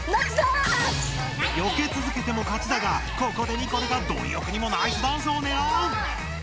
よけつづけても勝ちだがここでニコルがどんよくにもナイスダンスをねらう！